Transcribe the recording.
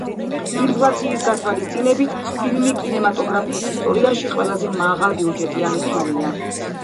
ინფლაციის გათვალისწინებით ფილმი კინემატოგრაფიის ისტორიაში ყველაზე მაღალბიუჯეტიანი ფილმია.